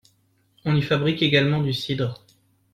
On y fabrique également du cidre.